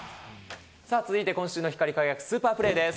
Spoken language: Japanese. さあ続いて今週の光り輝くスーパープレーです。